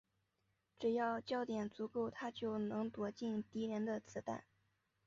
只要焦点足够她就能躲避敌人的子弹。